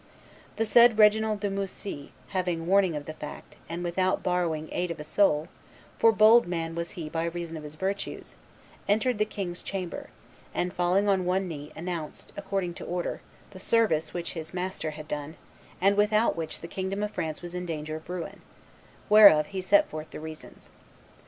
The said Reginald de Moussy, having warning of the fact, and without borrowing aid of a soul (for bold man was he by reason of his virtues), entered the king's chamber, and, falling on one knee, announced, according to order, the service which his master had done, and without which the kingdom of France was in danger of ruin, whereof he set forth the reasons.